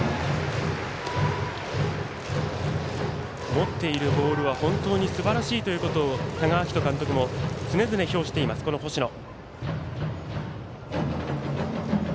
持っているボールは本当にすばらしいということを多賀章仁監督も常々言っています星野。